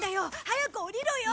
早く降りろよ！